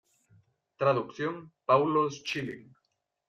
Traducción Paulo Schilling.